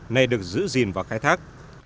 nay được giữ gìn và khai thác